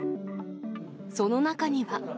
その中には。